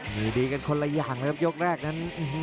มีดีกันคนละอย่างเลยครับยกแรกนั้น